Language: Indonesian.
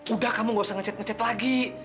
udah kamu gak usah nge cet nge cet lagi